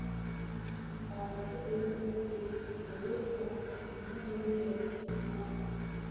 kwa ajili ya kueneza Imani ya Kiislamu